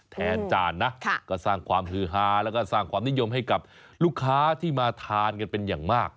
จานนะก็สร้างความฮือฮาแล้วก็สร้างความนิยมให้กับลูกค้าที่มาทานกันเป็นอย่างมาก